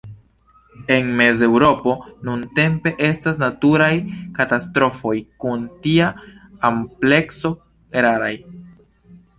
En Mez-Eŭropo nuntempe estas naturaj katastrofoj kun tia amplekso raraj.